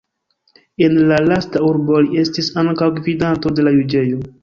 En la lasta urbo li estis ankaŭ gvidanto de la juĝejo.